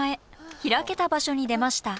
開けた場所に出ました。